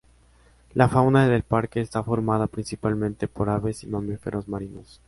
La fauna del Parque está formada principalmente por aves y mamíferos marinos.